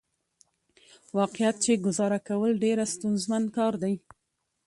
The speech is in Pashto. واقعيت چې ګزاره کول ډېره ستونزمن کار دى .